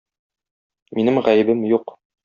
Минем гаебем юк.